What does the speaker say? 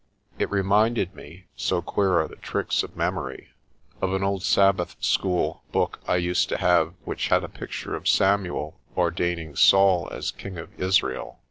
It reminded me, so queer are the tricks of memory, of an old Sabbath school book I used to have which had a picture of Samuel ordain ing Saul as king of Israel.